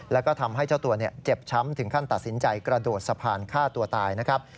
แล้วก็ทำให้เจ้าตัวเจ็บช้ำถึงขั้นตัดสินใจกระโดดสะพานฆ่าตัวตายนะครับ